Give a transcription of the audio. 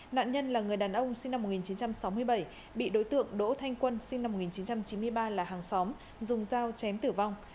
nạn nhân là người đàn ông sinh năm một nghìn chín trăm sáu mươi bảy bị đối tượng đỗ thanh quân sinh năm một nghìn chín trăm chín mươi ba là hàng xóm dùng dao chém tử vong